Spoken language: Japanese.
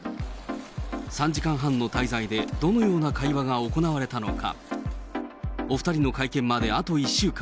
３時間半の滞在でどのような会話が行われたのか。